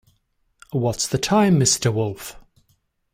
What's the time, Mr Wolf?